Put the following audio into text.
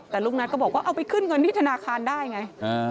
แต่ลูกนัทก็บอกว่าเอาไปขึ้นเงินที่ธนาคารได้ไง